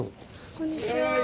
こんにちは。